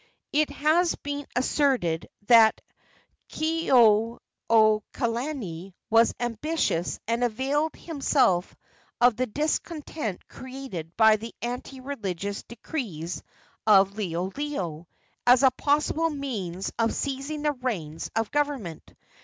It has been asserted that Kekuaokalani was ambitious and availed himself of the discontent created by the anti religious decrees of Liholiho as a possible means of seizing the reins of government.